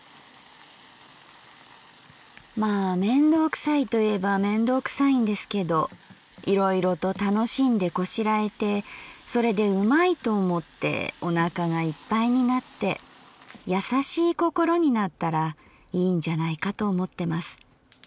「まあ面倒くさいと言えば面倒くさいんですけどいろいろと楽しんでこしらえてそれでうまいと思ってお腹が一杯になって優しい心になったらいいんじゃないかと思ってます。